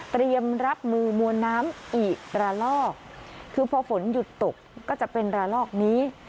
เตรียมรับมือมวลน้ำอีกระลอกคือพอฝนหยุดตกก็จะเป็นระลอกนี้